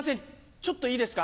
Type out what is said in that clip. ちょっといいですか？